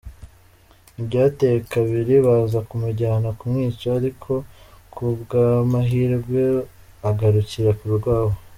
Ntibyateye kabiri baza kumujyana kumwica ariko ku bw’amahirwe agarukira ku rwobo.